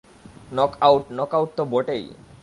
Knockout, knockout তো বটেই।